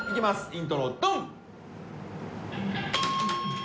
イントロドン！